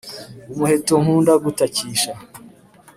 Umuheto nkunda gutakisha